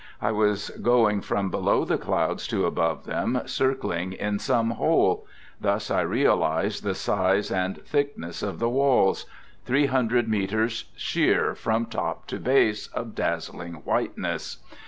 I was going from below the clouds to above them, circling in some hole ; thus I realized the size and thickness of the walls, — 300 meters sheer from top to base of dazzling whiteness.